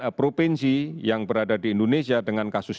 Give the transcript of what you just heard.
e provinsi yang berada di indonesia dengan mereka ini